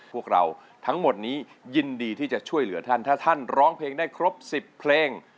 พวกเราทั้งหมดนี้ยินดีที่จะช่วยเหลือท่านถ้าท่านร้องเพลงได้ครบ๑๐เพลง